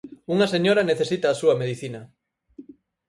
Unha señora necesita a súa medicina.